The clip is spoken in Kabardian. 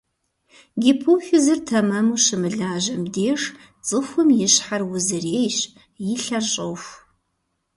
Гипофизыр тэмэму щымылажьэм деж цӀыхум и щхьэр узырейщ, и лъэр щӀоху.